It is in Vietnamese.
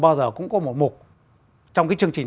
bao giờ cũng có một mục trong cái chương trình